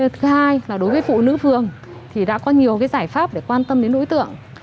thứ hai là đối với phụ nữ phường thì đã có nhiều giải pháp để quan tâm đến đối tượng